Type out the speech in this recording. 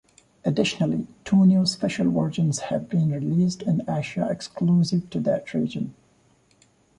Additionally, two new special versions have been released in Asia exclusive to that region.